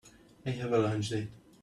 I have a lunch date.